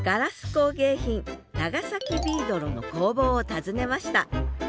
工芸品長崎ビードロの工房を訪ねました